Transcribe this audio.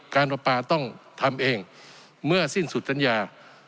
การประปาธรรมต้องทำเองเมื่อสิ้นสุดธรรยา